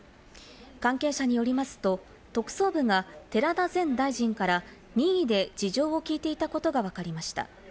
関係者によりますと、特捜部が寺田前大臣から任意で事情を聞いていたことがわかりました。